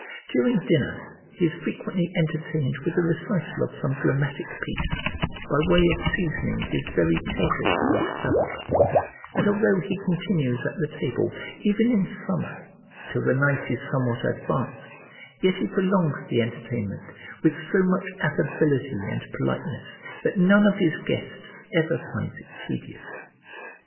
During dinner he is frequently entertained with the recital of some dramatic piece, by way of seasoning his very pleasures with study; and although he continues at the table, even in summer, till the night is somewhat advanced, yet he prolongs the entertainment with so much affability and politeness that none of his guests ever finds it tedious.